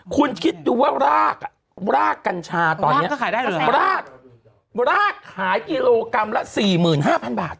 คุณคิดดูว่ารากรากกัญชาตอนนี้รากขายกิโลกรัมละ๔๕๐๐บาท